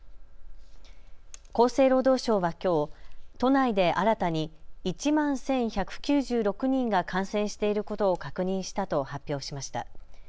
厚生労働省はきょう都内で新たに１万１１９６人が感染していることを確認したと発表しました。